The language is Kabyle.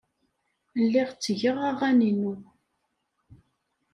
Lliɣ ttgeɣ aɣan-inu.